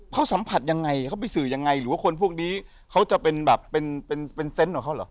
เขาสัมผัสยังไงเขาไปสื่อยังไงหรือว่าคนพวกนี้เขาจะเป็นเซนต์เหรอ